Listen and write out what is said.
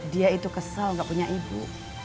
dia itu kesal gak punya ibu